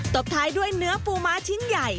บท้ายด้วยเนื้อปูม้าชิ้นใหญ่